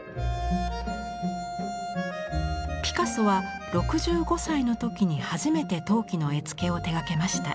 ピカソは６５歳の時に初めて陶器の絵付けを手がけました。